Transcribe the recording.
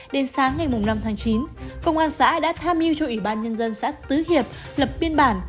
đến sáng ngày năm tháng chín công an xã đã tham mưu cho ủy ban nhân dân xã tứ hiệp lập biên bản